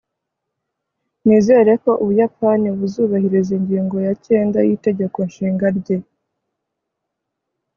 nizere ko ubuyapani buzubahiriza ingingo ya cyenda y'itegeko nshinga rye